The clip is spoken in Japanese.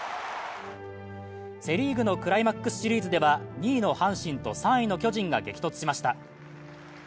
セ・リーグのクライマックスシリーズでは、２位の阪神と３位の巨人が激突しました。